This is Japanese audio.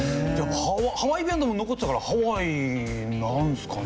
ハワイ便はでも残ってたからハワイなんすかね？